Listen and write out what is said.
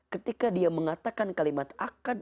ketika dia mengatakan kalimat akan